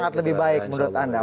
sangat lebih baik menurut anda